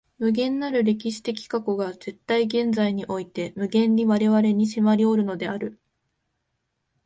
無限なる歴史的過去が絶対現在において無限に我々に迫りおるのである。